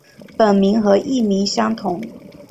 本名和艺名相同。